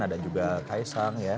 ada juga kaisang ya